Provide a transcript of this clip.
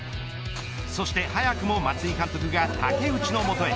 そして早くも松井監督が武内の元へ。